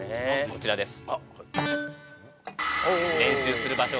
こちらです